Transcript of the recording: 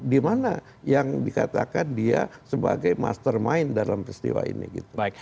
di mana yang dikatakan dia sebagai mastermind dalam peristiwa ini gitu